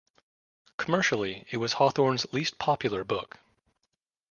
Commercially, it was Hawthorne's least popular book.